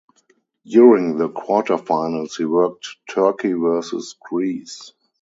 During the quarterfinals he worked Turkey versus Greece.